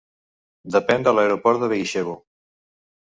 Depèn de l'aeroport de Begishevo.